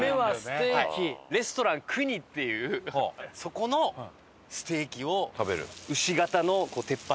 レストラン国っていうそこのステーキを牛形の鉄板になってる。